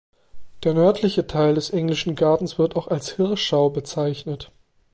Der nördliche Teil des Englischen Gartens wird auch als "Hirschau" bezeichnet.